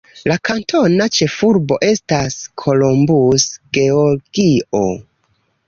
La kantona ĉefurbo estas Columbus, Georgio.